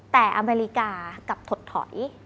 แต่อเมริกากลับถดถอย